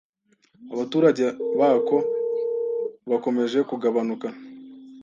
abaturage bako bakomeje kugabanuka,